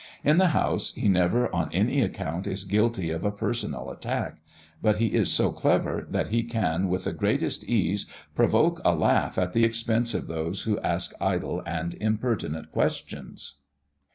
In the House, he never on any account is guilty of a personal attack; but he is so clever, that he can with the greatest ease provoke a laugh at the expense of those who ask idle and impertinent questions."